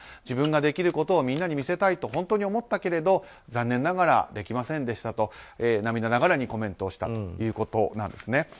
自分ができることをみんなに見せたいと本当に思ったけれど残念ながらできませんでしたと涙ながらにコメントをしたということです。